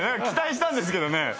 期待したんですけどね。